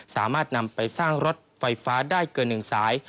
สามารถนำไปสร้างรถไฟฟ้าได้เกิน๑สาย